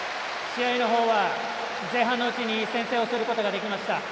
試合の方は前半のうちに先制することができました